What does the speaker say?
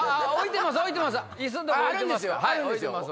置いてます